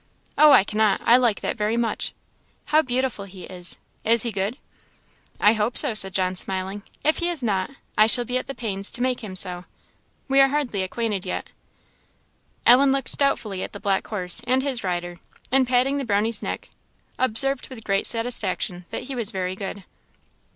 "Oh, I cannot! I like that very much. How beautiful he is! Is he good?" "I hope so," said John, smiling "if he is not, I shall be at the pains to make him so. We are hardly acquainted yet." Ellen looked doubtfully at the black horse and his rider, and patting the Brownie's neck, observed with great satisfaction that he was very good.